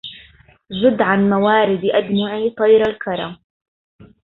ذد عن موارد أدمعي طير الكرى